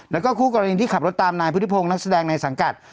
แล้วก็คู่กรณีที่ขับรถตามนายพุทธิพงศ์นักแสดงในสังกัด